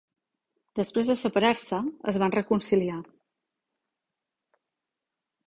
Després de separar-se, es van reconciliar.